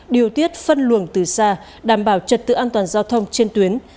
điều tiết phân luồng từ xa đảm bảo trật tự an toàn giao thông trên tuyến